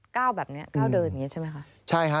ก้าวแบบเนี่ยก้าวเดินอย่างนี้ใช่ไหมคะ